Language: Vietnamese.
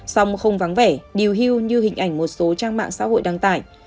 song không vắng vẻ điều hưu như hình ảnh một số trang mạng xã hội đăng tải